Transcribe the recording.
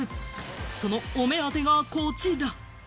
そのお目当てがこちら。